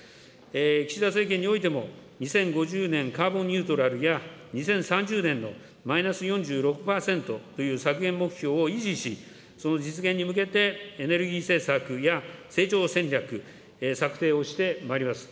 岸田政権においても、２０５０年カーボンニュートラルや、２０３０年のマイナス４６％という削減目標を維持し、その実現に向けてエネルギー政策や成長戦略、策定をしてまいります。